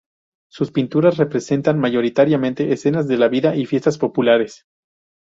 Sus pinturas representan mayoritariamente escenas de la vida y fiestas populares.